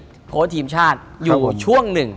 โพสต์ทีมชาติอยู่ช่วงหนึ่ง